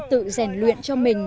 tự rèn luyện cho mình